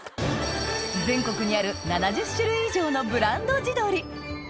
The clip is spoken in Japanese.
全国にある７０種類以上のブランド地鶏